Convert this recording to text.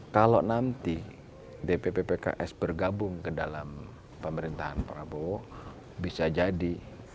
kalau nanti dpp pks bergabung ke dalam pemerintahan prabowo bisa jadi